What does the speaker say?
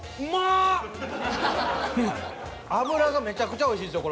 脂がめちゃくちゃおいしいですよ